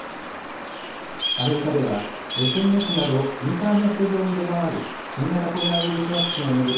アメリカではＳＮＳなどインターネット上に出回る新型コロナウイルスワクチンを巡る